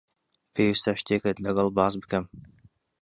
پێویستە شتێکت لەگەڵ باس بکەم.